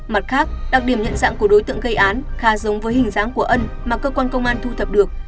mặt khác đặc điểm nhận dạng của đối tượng gây án khá giống với hình dáng của ân mà cơ quan công an thu thập được